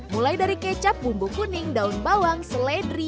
mulai dari kecap bumbu kuning daun bawang seledri